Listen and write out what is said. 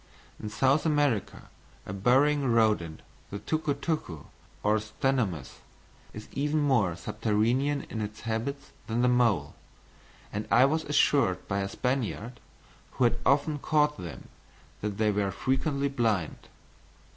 In South America, a burrowing rodent, the tuco tuco, or Ctenomys, is even more subterranean in its habits than the mole; and I was assured by a Spaniard, who had often caught them, that they were frequently blind.